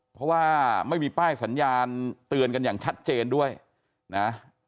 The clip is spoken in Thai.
เพราะว่าไม่มีป้ายสัญญาณเตือนกันอย่างชัดเจนด้วยนะ